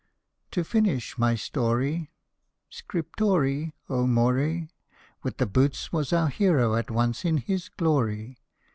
To finish my story Scriptori more : With the boots was our hero at once in his glory.